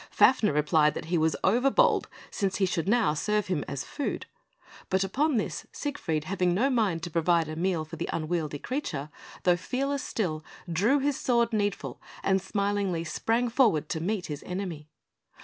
Fafner replied that he was overbold, since he should now serve him as food; but upon this, Siegfried, having no mind to provide a meal for the unwieldy creature, though fearless still, drew his sword, Needful, and smilingly sprang forward to meet his enemy.